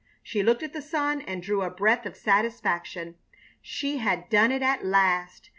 She looked at the sun and drew a breath of satisfaction. She had done it at last!